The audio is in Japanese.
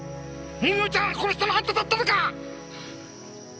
桃代ちゃん殺したのあんただったのか！？